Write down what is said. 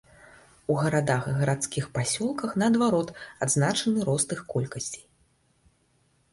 У гарадах і гарадскіх пасёлках, наадварот, адзначаны рост іх колькасці.